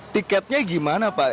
tiketnya gimana pak